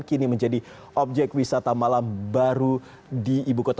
kini menjadi objek wisata malam baru di ibu kota